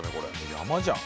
山じゃん。